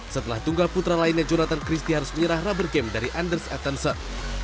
setelah tunggal putra lainnya jonathan christie harus menyerah rubber game dari anders attenson